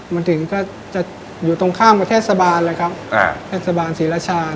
มันถึงก็จะอยู่ตรงข้ามกับเทศบาลเลยครับเทศบาลศรีราชา